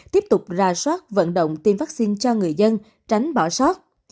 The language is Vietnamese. tiếp tục ra soát vận động tiêm vaccine cho người dân tránh bỏ sót